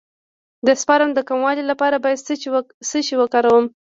د سپرم د کموالي لپاره باید څه شی وکاروم؟